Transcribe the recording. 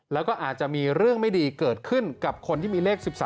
แล้วก็อาจจะมีเรื่องไม่ดีเกิดขึ้นกับคนที่มีเลข๑๓